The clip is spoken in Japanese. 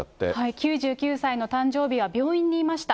９９歳の誕生日は病院にいました。